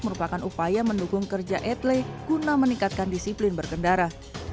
merupakan upaya mendukung kerja etle guna meningkatkan disiplin berkendara